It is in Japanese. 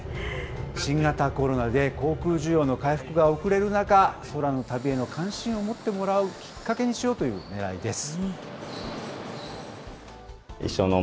新型コロナで航空需要の回復が遅れる中、空の旅への関心を持ってもらうきっかけにしようというねらいです。